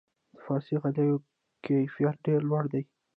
د فارسي غالیو کیفیت ډیر لوړ دی.